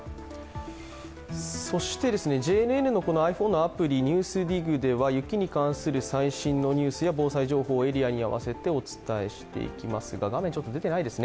そしてＪＮＮのｉＰｈｏｎｅアプリ「ＮＥＷＳＤＩＧ」では雪に関する最新のニュースや防災情報をエリアに合わせてお伝えしていきますが画面出ていないですね。